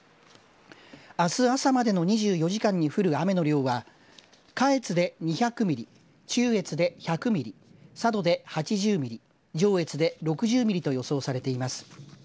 あす朝までの２４時間に降る雨の量は下越で２００ミリ、中越で１００ミリ、佐渡で８０ミリ、上越で６０ミリと予想されています。